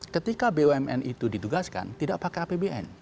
ketika bumn itu ditugaskan tidak pakai apbn